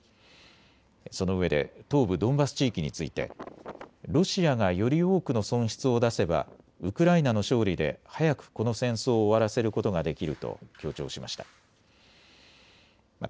そのうえで東部ドンバス地域についてロシアがより多くの損失を出せばウクライナの勝利で早くこの戦争を終わらせることができると強調しました。